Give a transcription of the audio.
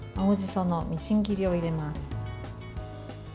そのみじん切りを入れます。